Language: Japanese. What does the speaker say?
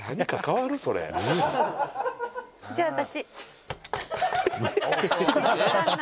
「じゃあ私」